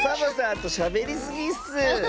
あとしゃべりすぎッス！